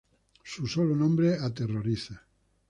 Su Sólo nombre aterroriza.